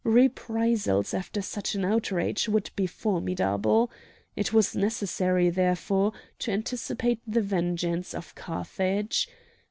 Reprisals after such an outrage would be formidable. It was necessary, therefore, to anticipate the vengeance of Carthage.